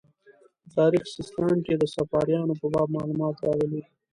په تاریخ سیستان کې د صفاریانو په باب معلومات راغلي.